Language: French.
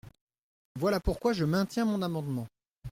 Voilà pourquoi je maintiens mon amendement.